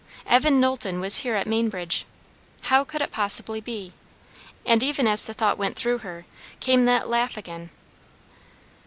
Evan Knowlton was here at Mainbridge. How could it possibly be? And even as the thought went through her, came that laugh again.